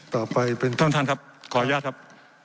ต้อนทานครับขออนุญาตครับ